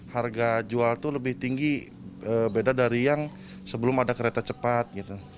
harga jual itu lebih tinggi beda dari yang sebelum ada kereta cepat gitu